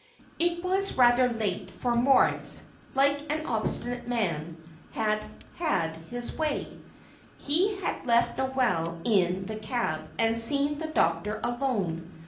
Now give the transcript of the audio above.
It was rather late, for Moritz, like an obstinate man, had had his way; he had left Noel in the cab and had seen the doctor alone.